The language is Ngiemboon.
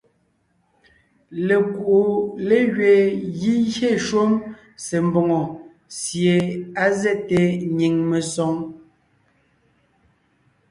Lekuʼu légẅeen gígyé shúm se mbòŋo sie á zɛ́te nyìŋ mesoŋ.